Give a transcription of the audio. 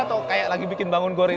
atau kayak lagi bikin bangun gor ini